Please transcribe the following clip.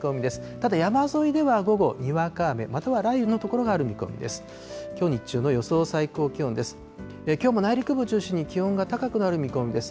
ただ山沿いでは午後にわか雨、または雷雨の所がある見込みです。